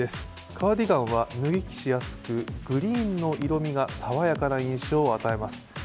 カーディガンは脱ぎ着しやすくグリーンの色みが爽やかな印象を与えます。